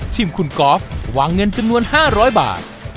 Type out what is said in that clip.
ทีมคุณกอล์ฟวางเงินจำนวน๕๐๐บาท